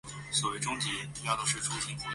乌鲁苏伊是巴西皮奥伊州的一个市镇。